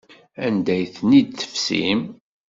Anda ay ten-id-tefsim?